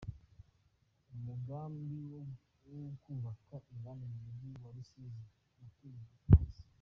Umugambi wo kubaka inganda mu mujyi wa rusizi watewe utwatsi